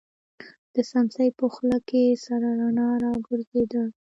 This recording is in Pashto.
د سمڅې په خوله کې سره رڼا را وګرځېده.